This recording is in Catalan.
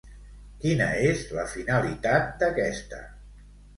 Quina és la finalitat d'aquesta?